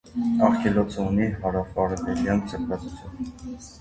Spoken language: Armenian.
Արգելոցը ունի հարաւարեւելեան ձգուածութիւն։